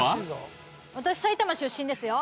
私埼玉出身ですよ！